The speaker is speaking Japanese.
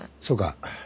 そうか。